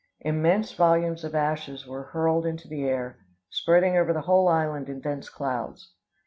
Immense volumes of ashes were hurled into the air, spreading over the whole island in dense clouds.